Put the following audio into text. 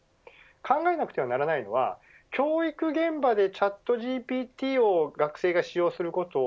考えなくてはならないのは教育現場でＣｈａｔＧＰＴを学生が使用することを